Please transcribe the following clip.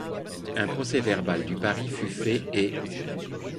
Un procès-verbal du pari fut fait et